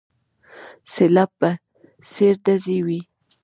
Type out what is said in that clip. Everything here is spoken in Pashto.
سلاب په څېر ډزې وې.